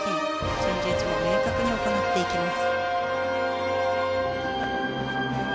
チェンジエッジも明確に行っていきます。